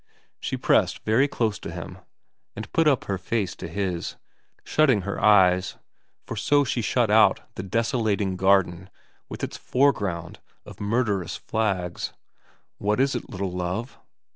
She pressed very close to him, and put up her face VERA 191 to his, shutting her eyes, for so she shut out the desolating garden with its foreground of murderous flags. ' What is it, little Love